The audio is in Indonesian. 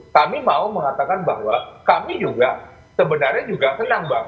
kami mau mengatakan bahwa kami juga sebenarnya juga senang bang